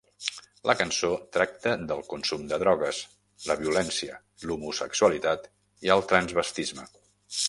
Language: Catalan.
La cançó tracta del consum de drogues, la violència, l'homosexualitat i el transvestisme.